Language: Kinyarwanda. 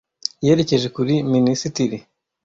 Yerekeje kuri minisitiri.